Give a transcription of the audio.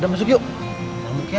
udah masuk yuk